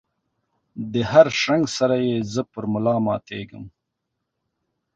دهر شرنګ سره یې زه پر ملا ماتیږم